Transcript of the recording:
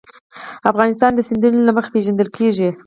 افغانستان د سیندونه له مخې پېژندل کېږي.